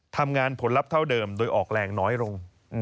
ผลลัพธ์เท่าเดิมโดยออกแรงน้อยลง